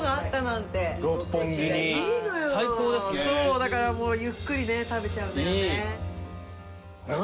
だからもうゆっくり食べちゃうんだよね。